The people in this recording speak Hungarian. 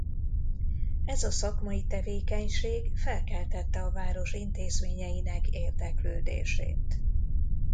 Ez a szakmai tevékenység felkeltette a város intézményeinek érdeklődését.